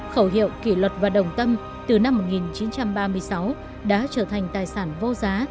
khẩu hiệu kỷ luật và đồng tâm từ năm một nghìn chín trăm ba mươi sáu đã trở thành tài sản vô giá